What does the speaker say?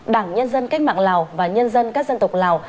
đảng nhân dân cách mạng lào và nhân dân các dân tộc lào